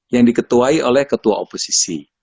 yang diketuai oleh ketua oposisi